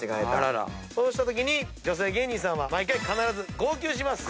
そうしたときに女性芸人さんは毎回必ず号泣します。